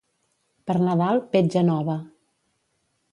Per Nadal, petja nova.